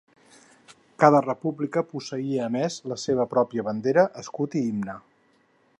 Cada república posseïa a més la seva pròpia bandera, escut i himne.